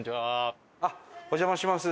あっお邪魔します。